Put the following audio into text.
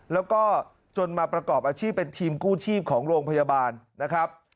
แล้วก็จนมาประกอบอาชีพเป็นทีมกู้ชีพของโรงพยาบาลนะครับ